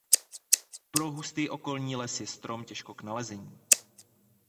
Pro hustý okolní les je strom těžko k nalezení.